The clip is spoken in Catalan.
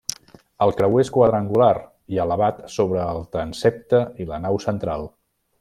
El creuer és quadrangular i elevat sobre el transsepte i la nau central.